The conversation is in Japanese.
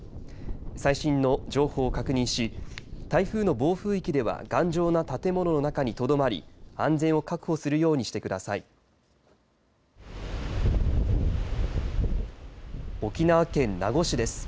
最新の情報を確認し台風の暴風域では頑丈な建物の中にとどまり安全を確保するようにしてください。沖縄県名護市です。